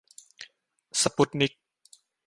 สปุตนิก